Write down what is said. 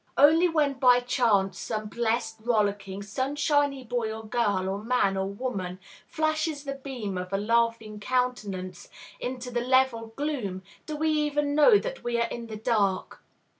Only when by chance some blessed, rollicking, sunshiny boy or girl or man or woman flashes the beam of a laughing countenance into the level gloom do we even know that we are in the dark.